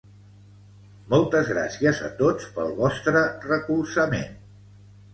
Moltes gracies a tots pel vostre recolzament.